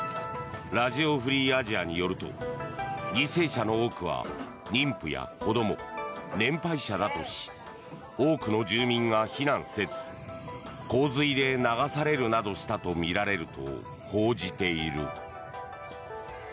ラジオ・フリー・アジアによると犠牲者の多くは妊婦や子ども年配者だとし多くの住民が避難せず洪水で流されるなどしたとみられると報じている。